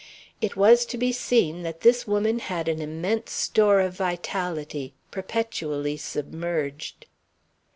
It was to be seen that this woman had an immense store of vitality, perpetually submerged.